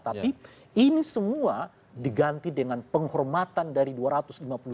tapi ini semua diganti dengan penghormatan dari dua ratus lima puluh orang